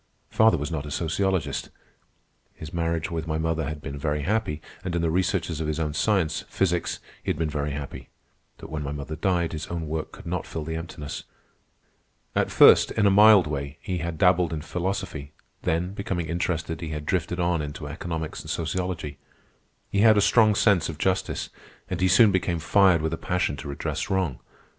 Father was not a sociologist. His marriage with my mother had been very happy, and in the researches of his own science, physics, he had been very happy. But when mother died, his own work could not fill the emptiness. At first, in a mild way, he had dabbled in philosophy; then, becoming interested, he had drifted on into economics and sociology. He had a strong sense of justice, and he soon became fired with a passion to redress wrong.